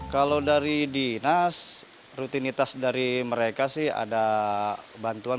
kalau dari dinas rutinitas dari mereka sih ada bantuan